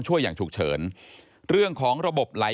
พบหน้าลูกแบบเป็นร่างไร้วิญญาณ